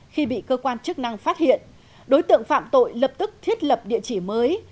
khi bị cơ quan chức năng phát hiện đối tượng phạm tội lập tức thiết lập địa chỉ mới